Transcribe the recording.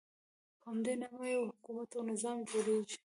په همدې نامه یو حکومت او نظام جوړېږي.